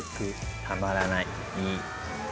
たまらないいい。